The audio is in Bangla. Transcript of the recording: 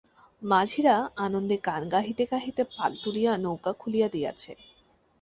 মাঝিরা আনন্দে গান গাহিতে গাহিতে পাল তুলিয়া নৌকা খুলিয়া দিয়াছে।